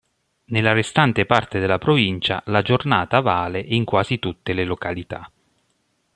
Nella restante parte della provincia la giornata vale in quasi tutte le località.